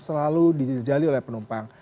selalu dijali oleh penumpang